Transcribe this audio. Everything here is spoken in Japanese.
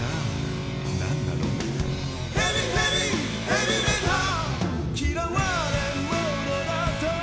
「ヘビヘビヘビメタ」「嫌われものだと」